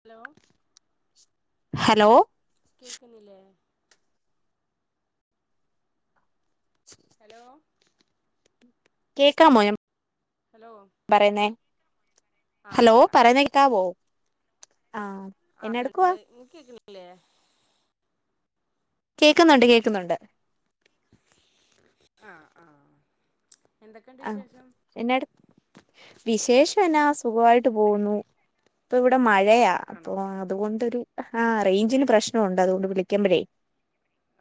hello hello കേൾക്കുന്നില്ലേ [inaudible] hello കേക്കാമൊ ഞാം ഹലോ പറയുന്നെ ആ ഹലോ കേക്കാം പറയുന്ന കേക്കാവോ ആഹ് എന്നാ എടുക്കുവാ അതെണ്ട് ഇങ്ങക്ക് കേക്കണില്ലേ കേക്കുന്നൊണ്ട് കേക്കുന്നൊണ്ട് ആഹ് ആഹ് എന്തക്കെണ്ട് വിശേഷം എന്നാട് വിശേഷം എന്നാ സുഖവായിട്ട് പോവുന്നു ഇപ്പൊ ഇവിടെ മഴയ അഹ് ആണോ അപ്പൊ ആഹ് അതുകൊണ്ടൊരു ആഹ് റേയ്ഞ്ചിന് പ്രശ്നവൊണ്ട് അതുകൊണ്ട് വിളിക്കുമ്പഴെ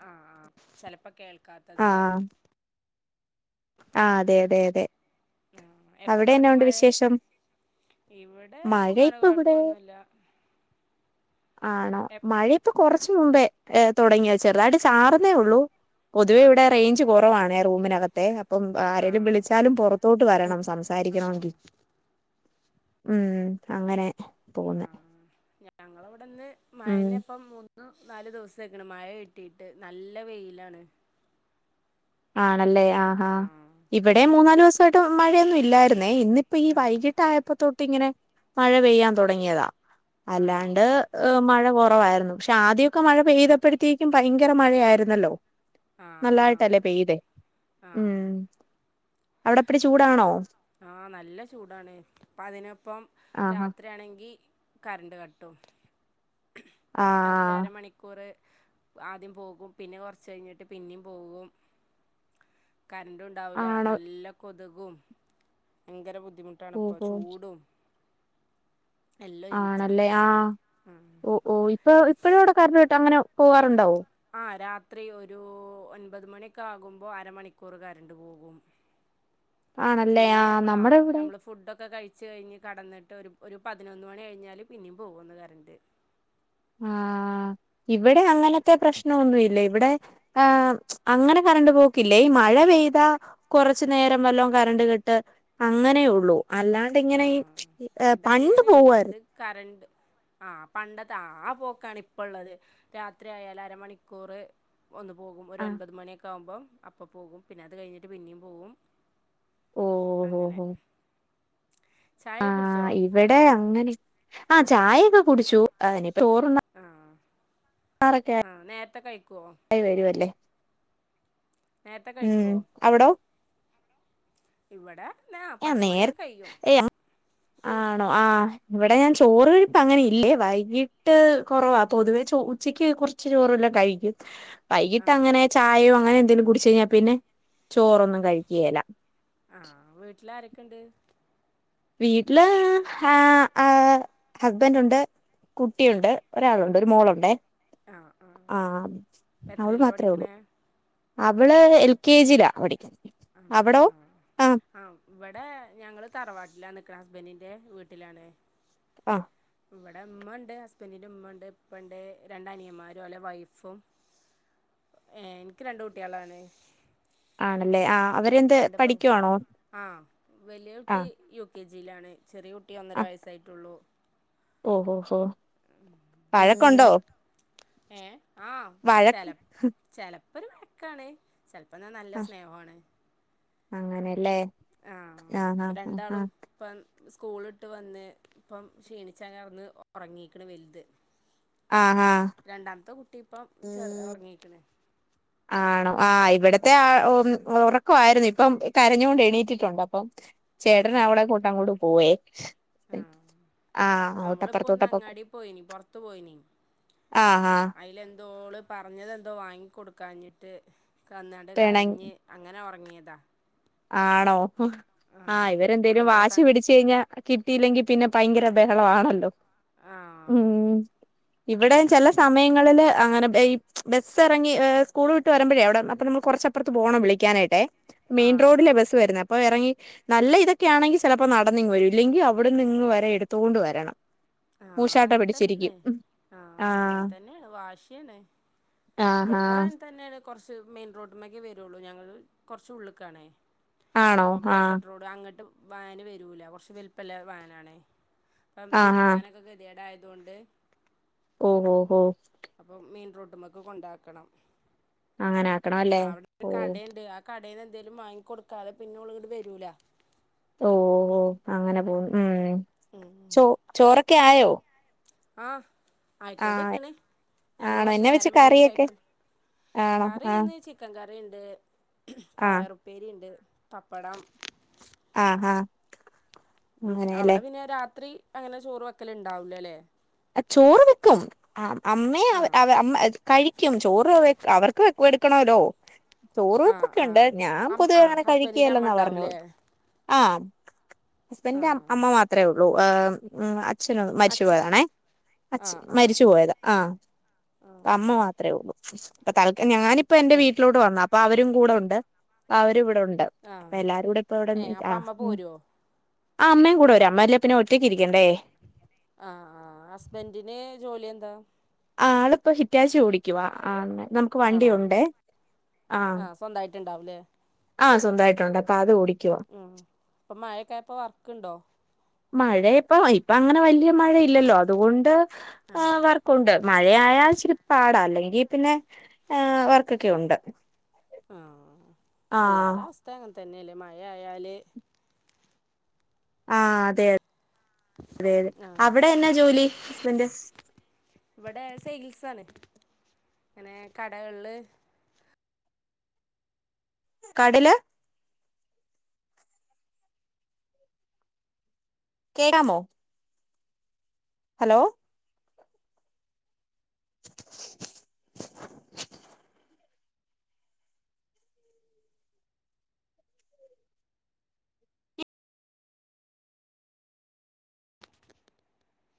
ആഹ് ആഹ് ചെലപ്പൊ കേൾക്കാ ആഹ് ആഹ് അതെ അതെ അതെ ആഹ് എപ്പ അവിടെ എന്നാ തൊടങ്ങിയ ഒണ്ട് മഴേ വിശേഷം ഇവിടെ മഴ സുഖാണ് ഇപ്പ ഇവിടെ കൊഴപ്പോന്നു ഇല്ല ആണോ മഴ ഇപ്പൊ കുറച്ചു മുമ്പേ തുടങ്ങിയ ചെറുതയിട്ട് ചാറുന്നേ ഉള്ളൂ പൊതുവേ ഇവിടെ ആഹ് റേഞ്ച് കുറവാണ് റൂമിനകത്തെ അപ്പം ആരെേങ്കലും ആഹ് വിളിച്ചാലും പുറത്തോട്ട് വരണം സം ആണോ ഉം അങ്ങനെ പോവുന്നെ ഞങ്ങള ഇവിടെന്ന് മയനെപ്പം മൂ നാല് ദിവസേക്കണ് മഴ കിട്ടിട്ട് നല്ല വെയിലാണ് ആണല്ലേ ആഹാ ആഹ് ഇവിടെ മൂന്നാല് ദിവസമായിട്ട് മഴയൊന്നും ഇല്ലായിരുന്നു എന്നെ ഇന്നിപ്പോ ഈ ആഹ് വൈകിട്ടായപ്പോ തോട്ട് ഇങ്ങനെ മഴ പെയ്യാൻ തുടങ്ങിയതാ ആണോ അല്ലാണ്ട് ഹ് മഴ കുറവായിരുന്നു പക്ഷെ ആദ്യൊക്കെ മഴ പെയ്തപ്പോഴത്തേ ക്ക്ഭയങ്കര മഴയായിരുന്നല്ലോ ആഹ് ആഹ് നല്ലായിട്ടല്ലേ പെയ്തെ ഉ ആഹ് അവിടെപ്പടി ചൂടാണോ ആഹ് നല്ല ചൂടാണ് ഇപ്പ അതിനൊപ്പം ആഹാ രാത്രി യിലാണെങ്കികറണ്ട് കട്ടും രാത്രി അര ആഹ് മണിക്കൂറ് ആദ്യം പോകും പിന്നെ കുറച്ച് കഴിഞ്ഞിട്ട് പിന്നെയും പോകും കറണ്ട്ഉണ്ടാവില്ല ആണോ നല്ല കൊതുകും ഭയങ്കര ബുദ്ധിമുട്ടാണ് ഇപ്പൊ ഓഹോ ചൂടും എല്ലാം ഒരുമിച്ചാ ആണല്ലേ ആഹ് ഉം ഓ ഓ ഇപ്പൊ ഇപ്പോഴും ഇവിടെ കരണ്ടകട്ട് അങ്ങനെ പോകാറുണ്ടാവോ ആ രാത്രി ഒരു ഒൻപത് മണിയൊക്കെ ആകുമ്പോ അരമണിക്കൂർ കരണ്ട് പോകും ആണല്ലേ പിന്നെ ആഹ് നമ്മളാ നമ്മുടെ ഇവിടെ നമ്മള് ഫുഡൊക്കെ കഴി ച്ച് കഴിഞ്ഞ് കടന്നിട്ട് ഒരു ഒരു പതിനൊന്ന് മണി കഴിഞ്ഞാ പിന്നെയും പോകും ഒന്ന് കരണ്ട് ആഹ് ഇവിടെ അങ്ങനത്തെ പ്രശ്നംന്നുമില്ല ഇവിടെ ആഹ് അങ്ങനെ കരണ്ട് പോക്കില്ല ഈ മഴ പെയ്താ കുറച്ച് നേരം വല്ലോ കറണ്ട് കട്ട് അങ്ങനെ ഉള്ളൂ അല്ലാ ണ്ട് ഇങ്ങനെ ഈ പണ്ട് പോവായിരുന്നു കരണ്ട് ആ പണ്ടത്തെ ആ പോക്കാണ് ഇപ്പള്ളത് രാത്രി ആയാല് അരമണിക്കൂറ് ഒന്ന് പോകും ഒരു ആഹ് അൻപത് മണിയൊക്കെ ആകുമ്പം അപ്പ പോകും പിന്നെ അത് കഴിഞ്ഞിട്ട് പിന്നെയും പോകും ഓഹ് അങ്ങനെ ഓഹ് ചായെ കുടിച്ചോ ആഹ് ഇവിടെ അങ്ങനെ ആ ചായൊക്കെ കുടിച്ചു ഇനിപ്പ ചോറുണ്ണാൻ ആഹ് ആഹ് നേരത്തെ കഴിക്കുവോ ക വരുംല്ലേ നേരത്തെ ഉം കഴിക്കോ അവിടോ ഇവിടെ ന്നാ ഏഹ് നേര പത്തുമണിയൊക്കെ കഴിയും ഏഹ് ആണോ ആഹ് ഇവിടെ ഞാൻ ചോറ് കഴിപ്പ് അങ്ങനെ ഇല്ലേ വൈകിട്ട് കുറവാ പൊതുവേ ചോ ഉച്ചിക്ക് കുറച്ച് ചോറല്ലാം കഴിക്കും ഉ വൈകിട്ട് അങ്ങനെ ചായയോ അങ്ങനെ എന്തെങ്കിലും കുടച്ച് കഴിഞ്ഞാൽ പിന്നെ ചോറൊന്നും കഴിക്കുകല്ല ആഹ് വീട്ടിൽ ആരൊക്കെ ഉണ്ട് വീട്ടില് ഹാ ആ ഹസ്ബൻന്റ് ഉണ്ട് കുട്ടിയുണ്ട് ഒരാളുണ്ട് ഒരു മോളുണ്ട് ആഹ് അവള് എത്രയിലാ മാത്രമേ ഉള്ളൂ പഠിക്കണേ അവള് എൽ കെ ജിയിലാ പഠിക്കണെ ആണോ ആഹ് ആഹ് ഇവിടെ ഞങ്ങള് തറവാട്ടിലാ നിക്ക്ണെ ഹസ്ബന്റിന്റെ വീട്ടിലാണ് ആഹ് ഇവിടെ ഇമ്മ ഉണ്ട് ഹസ്ബന്റിന്റെ ഉമ്മ ഉണ്ട് ഇപ്പ ഉണ്ട് രണ്ട് അനിയൻമാരും ഓലെ വൈഫും ഏഹ് ഇൻക്ക് രണ്ട് കുട്ടികളാണ് ആണ് അല്ലേ ആഹ് അവരെന്ത് രണ്ട് പെൺ പഠിക്കുവാണോ ആഹ് വലിയ കുട്ടി ആഹ് യു കെ ജി യിലാണ് ചെറിയ കുട്ടി ഒന്നര വയസ്സ് ആയിട്ടുള്ളൂ ഓഹോ ഹോ വഴക്ക് ഉണ്ടോ ഏഹ് ആഹ് ചെല ചിലപ്പോ ഒരു വഴക്കാണ് ചിലപ്പം എന്നാ നല്ല സ്നേഹും ആണ് അങ്ങനെ അല്ലേ ആഹ് ഇപ്പ രണ്ട് ആളും ഇപ്പം സ്കൂള് വിട്ട് വന്ന് ഇപ്പം ക്ഷീണിച്ചങ്ങനെ കെടന്ന് ഒറങ്ങീക്ക്ണ് വലുത് ആഹ് ആഹ് രണ്ടാമത്തെ കുട്ടി ഇപ്പം കിടന്ന് ഉറങ്ങിക്ക്ണ് ആണോ ആഹ് ഇവിടത്തെ ആ ഓന് ഉറക്കായിരുന്നു ഇപ്പം കരഞ്ഞു കൊണ്ട് എണീറ്റിട്ടുണ്ട് അപ്പം ചേട്ടന് അവളേ കൊണ്ട് അങ്ങോട്ട് പോയേ ആഹ് അവള് ഇപ്പ ഒന്ന് അങ്ങാടി പോയിനി പുറത്തു പോയിനി ആഹ് ആഹ് അതിലെന്തോ ഓള് പറഞ്ഞത് എന്തോ വാങ്ങി കൊടുക്കാഞ്ഞിട്ട് കെടന്നാണ്ട് പിണങ്ങി കരഞ്ഞ് അങ്ങനെ ഉറങ്ങിയതാ ആണോ ആഹ് ഇവര് എന്തേലും ഓളെന്തോ വാശി കണ്ടിട്ട് പിടിച്ച് കഴിഞ്ഞാ കിട്ടിയില്ലെങ്കിൽ പിന്നെ ഭയങ്കര ബഹളം ആണല്ലോ ആഹ് ഉം ഇവിടെ അങ്ങനെ ചില ഒറങ്ങി സമയം ങ്ങളില് അങ്ങനെ ഈ ബസ് ഇറങ്ങി ഏഹ് സ്കൂള് വിട്ട് വരുമ്പഴേ അവിടെ അപ്പൊ നമ്മൾ കുറച്ച് അപ്പുറത്ത് പോണം വിളിക്കാനായിട്ടേ ആഹ് ആഹ് വരുന്നത് അപ്പൊ ഇറങ്ങി നല്ല ഇതൊക്കെ ആണെങ്കിൽ ചിലപ്പോ നടന്ന് ഇങ്ങ് വരും ഇല്ലെങ്കിൽ അവിടെ നിന്ന് വരെ എടുത്തോണ്ട് വരണം ആഹ് മൂശാട്ട അങ്ങനെ പിടിച്ചിരിക്കും തന്നേണ് ആഹ് അങ്ങനെ തന്നേണ് വാശിയാണ് ആഹ് ഇവിടുന്ന് ആഹ് അങ്ങനെ തന്നേണ് കുറച്ച് മെയിൻ റോഡിമ്മെക്കെ വരൊള്ളൂ ഞങ്ങള് കുറച്ച് ഉള്ളിൽക്ക് ആണേ ആണോ അപ്പം ആഹ് പോക്കറ്റ് റോഡ് അങ്ങട്ട് വാന് വരൂല കുറച്ച് വലിപ്പള്ള വാന് ആണേ ഇപ്പം ആഹ് ആഹ് തിരിക്കാനൊക്കെ ഗതി കേടായത് കൊണ്ട് ഓഹ് ഓഹ് ഓഹ് അപ്പം മെയിൻ റോട്ടുമ്മക്ക് കൊണ്ടാക്കണം അങ്ങനെ ആക്കണം പക്ഷെ അല്ലേ അവിടെ ഓഹ് കടേ ഇണ്ട് കടേൽന്ന് എന്തേലും വാങ്ങി കൊടുക്കാതെ പിന്നെ ഓള് ഇങ്ങട്ട് വരൂല ഓഹ് ഓഹ് ഓഹ് അങ്ങനെ പോവുന്നു ഉം ചോ ചോറ് ഒക്കെ ആയോ ആഹ് ആയിക്കൊണ്ട് ആഹ് നിക്ക്ണ് ഞങ്ങള് ആണോ കൊറച്ചു എന്നാ വെച്ച് നേരം വൈകി കറിയൊക്കെ കഴിക്ക ആണോ കറി ആഹ് ഇന്ന് ചി ചിക്കൻ കറിണ്ട് ആഹ് പയറുപ്പേരി ഉണ്ട് പപ്പടം ആഹ് ആഹ് ഉം അങ്ങനെയല്ലേ അവിടെ പിന്നെ രാത്രി അങ്ങനെ ചോറ് വെക്കല് ഇണ്ടാവൂല അല്ലേ അഹ് ചോറ് വെക്കും ആഹ് അമ്മെ അവ് ആഹ് അവ അമ്മ കഴിക്കും ചോറ് വെ അവർക്ക് വെക്കും എടുക്കണല്ലോ ചോറ് ആഹ് വെപ്പൊക്കെ ഉണ്ട് ആഹ് ഞാൻ അം പൊതുവേ ആഹ് അങ്ങനെ ഹസ്ബൻഡിന്റെ കഴിക്കയില്ല അമ്മ എന്നാ പറഞ്ഞേ ഉണ്ടാവൂലേ ഉള്ളു ആഹ് ഹസ്ബന്റിന്റെ അം ആഹ് അമ്മ മാത്രേ ഉള്ളൂ ആഹ് ഉം അച്ഛനും മരിച്ചു അച്ഛൻ പോയതാണെ അച്ഛൻ ആഹ് ആഹ് മരിച്ചു പോയതാ ആഹ് ആഹ് അമ്മ മാത്രേ ഉള്ളൂ അപ്പൊ തല്ക്കാലം ഞാന് ഇപ്പ എന്റെ ഏഹ് വീട്ടിലോട്ട് വന്ന് അപ്പൊ അവരും കൂടെ ഉണ്ട് അവരും ഇവിടെ ഉണ്ട് അപ്പൊ ആഹ് എല്ലാരൂടെ ഇപ്പ അവിടെ ഏഹ് [unintelligible] അപ്പ ആഹ് അമ്മ പോരോ അമ്മയും കൂടെ വരും അമ്മ ഇല്ലേൽ പിന്നെ ഒറ്റക്ക് ഇരിക്കണ്ടേ ആഹ് ആഹ് ഹസ്ബൻഡിന് ജോലി എന്താ ആഹ് ആളിപ്പോ ഹിറ്റാച്ചി ഓടിക്കുവാ ആഹ് ആണോ വണ്ടിയുണ്ടേ ആഹ് ആ സ്വന്തമായിട്ട് ഉണ്ടാവൂല്ലേ ആഹ് സ്വന്തായിട്ടൊണ്ട് അപ്പ അത് ഓടിക്കും ആഹ് ഇപ്പം മയയൊക്കെ ആയപ്പോ വർക്കുണ്ടോ മഴ ഇപ്പം ഇപ്പം അങ്ങന വല്ല്യ മഴയില്ലല്ലോ അതുകൊണ്ട് ആഹ് വർ ക്കുണ്ട് മഴയായാൽ ഇച്ചിരി പാടാ അല്ലെങ്കി പിന്നെ ഏ വർക്കൊക്കെ ഉണ്ട് ആഹ് ആഹ് എല്ലാരുടെയും അവസ്ഥ അങ്ങനെ തന്നെയല്ലേ മഴ ആയാല് ആഹ് അതെ അതെ അതെ ആഹ് അവിടെ എന്നാ ജോലി ഹസ്ബൻഡ് ഇവിടെ സെയിൽസാണ് ഇങ്ങനെ കടകളില് കടേലാ കേൾക്കാമോ ഹലോ [unintelligible]